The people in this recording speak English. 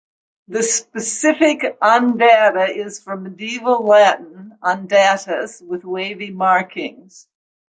The specific "undata" is from Medieval Latin "undatus", "with wavy markings".